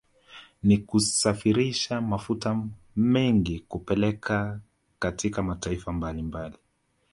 Na kusafirisha mafuta mengi kupeleka katika mataifa mbalimbali